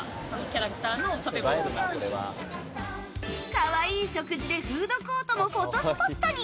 可愛い食事でフードコートもフォトスポットに。